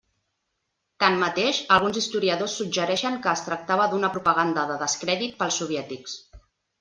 Tanmateix, alguns historiadors suggereixen que es tractava d'una propaganda de descrèdit pels soviètics.